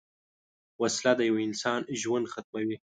وسله د یوه انسان ژوند ختموي